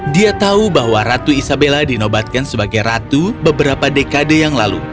dia tahu bahwa ratu isabella dinobatkan sebagai ratu beberapa dekade yang lalu